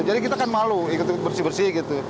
jadi kita kan malu ikut bersih bersih gitu